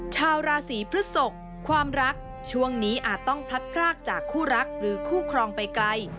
ชาวราศีพฤศกความรักช่วงนี้อาจต้องพลัดพรากจากคู่รักหรือคู่ครองไปไกล